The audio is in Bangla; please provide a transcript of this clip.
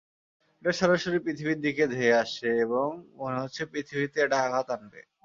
এটা সরাসরি পৃথিবীর দিকে ধেয়ে আসছে এবং মনে হচ্ছে পৃথিবীতে এটা আঘাত হানবে!